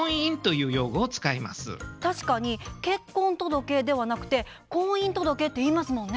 確かに「結婚届」ではなくて「婚姻届」って言いますもんね。